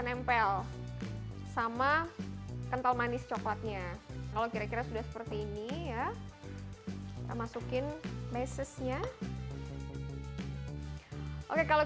nempel sama kental manis coklatnya kalau kira kira sudah seperti ini ya kita masukin mesesnya oke kalau